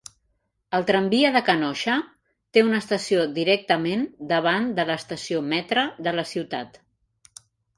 El tramvia de Kenosha té una estació directament davant de l'estació Metra de la ciutat.